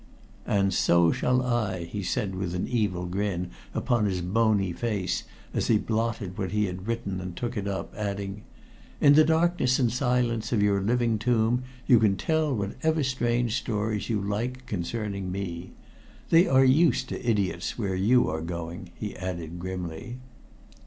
"And so shall I," he said with an evil grin upon his bony face as he blotted what he had written and took it up, adding: "In the darkness and silence of your living tomb, you can tell whatever strange stories you like concerning me. They are used to idiots where you are going," he added grimly.